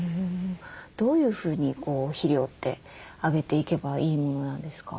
どういうふうに肥料ってあげていけばいいものなんですか？